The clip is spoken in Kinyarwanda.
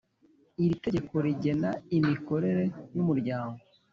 Iri tegeko rigena imikorere y’Umuryango